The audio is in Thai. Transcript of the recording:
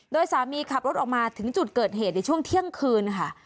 โดยสามีขับรถออกมาถึงจุดเกิดเหตุในช่วงเที่ยงคืนค่ะ